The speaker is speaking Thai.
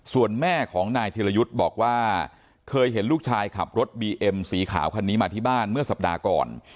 ส่วนแม่ของนายธิรยุทธ์บอกว่าเคยเห็นลูกชายขับรถบีเอ็มสีขาวคันนี้มาที่บ้านเมื่อสัปดาห์ก่อน